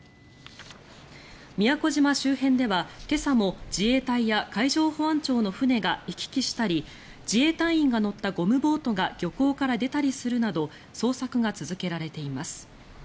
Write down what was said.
宮古島周辺では今朝も自衛隊や海上保安庁の船が行き来したり自衛隊員が乗ったゴムボートが漁港から出たりするなど捜索が続けられています。